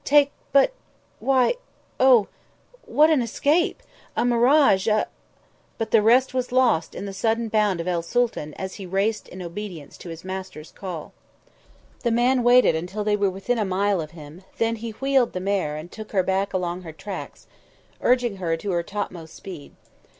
"Take but why oh! what an escape a mirage a " But the rest was lost in the sudden bound of el Sooltan as he raced in obedience to his master's call. The man waited until they were within a mile of him; then he wheeled the mare and took her back along her tracks, urging her to her topmost speed.